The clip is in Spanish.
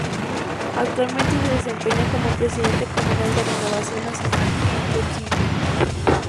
Actualmente se desempeña como presidente comunal de Renovación Nacional en Coquimbo.